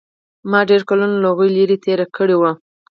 ما ډېر کلونه له هغوى لرې تېر کړي وو.